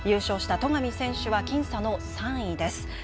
優勝した戸上選手は僅差の３位です。